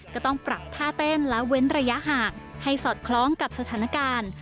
ก็ต้องปรับท่าเต้นและเว้นระยะห่างให้สอดคล้องกับสถานการณ์